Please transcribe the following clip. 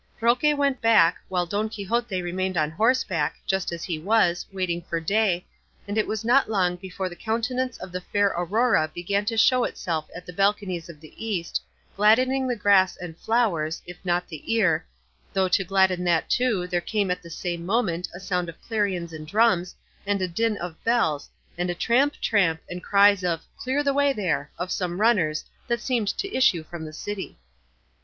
Roque went back, while Don Quixote remained on horseback, just as he was, waiting for day, and it was not long before the countenance of the fair Aurora began to show itself at the balconies of the east, gladdening the grass and flowers, if not the ear, though to gladden that too there came at the same moment a sound of clarions and drums, and a din of bells, and a tramp, tramp, and cries of "Clear the way there!" of some runners, that seemed to issue from the city.